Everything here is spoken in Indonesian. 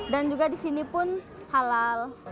dan juga di sini pun halal